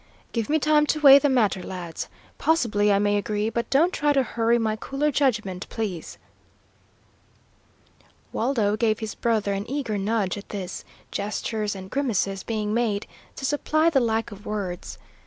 "Give me time to weigh the matter, lads. Possibly I may agree, but don't try to hurry my cooler judgment, please." Waldo gave his brother an eager nudge at this, gestures and grimaces being made to supply the lack of words.